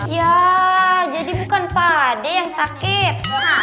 ya jadi bukan pak ade yang sakit